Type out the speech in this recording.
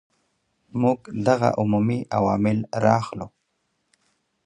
موږ دغه عمومي عوامل را اخلو.